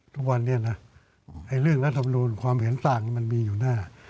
ทุกวันนี้นะเรื่องรัฐมนูลความเห็นต่างมันมีอยู่แน่